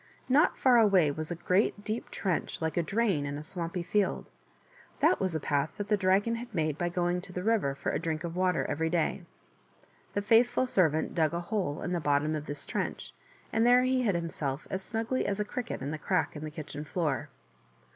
Not far away was a great deep trench like a drain in a swampy field ; that was a path that the dragon had made by going to the river for a drink of water every day. The faithful servant dug a hole in the bottom of this trench, and there he hid 22 THE WATER OF LIFE. himself as snugly as a cricket in the crack in the kitchen floor.